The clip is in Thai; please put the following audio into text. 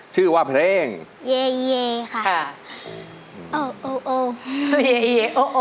ชื่อว่าเพลงเยค่ะ